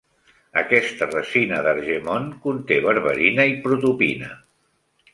Aquesta resina d'argemone conté berberina i protopina.